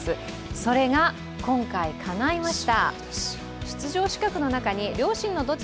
それが今回かないました。